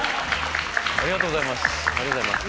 ありがとうございます。